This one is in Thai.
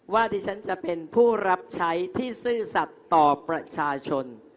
ที่ฉันจะเป็นผู้รับใช้ที่ซื่อสัตว์ต่อประชาชน